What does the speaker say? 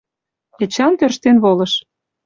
Эчан тӧрштен волыш.